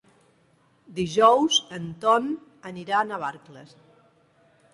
Dijous en Ton anirà a Navarcles.